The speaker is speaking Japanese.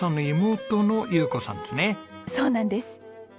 そうなんです。